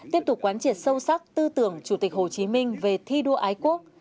tiếp tục quán triệt sâu sắc tư tưởng chủ tịch hồ chí minh về thi đua ái quốc